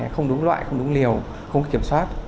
không đúng loại không đúng liều không kiểm soát